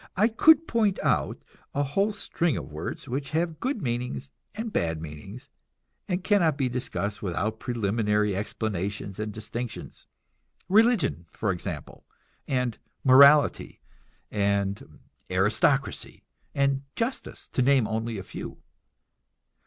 I could point out a whole string of words which have good meanings and bad meanings, and cannot be discussed without preliminary explanations and distinctions; religion, for example, and morality, and aristocracy, and justice, to name only a few.